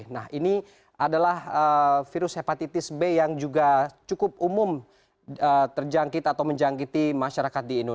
nah ini adalah virus hepatitis b yang juga cukup umum terjangkit atau menjangkiti masyarakat di indonesia